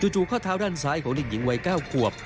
จู่ข้อเท้าด้านซ้ายของเด็กหญิงวัย๙ขวบ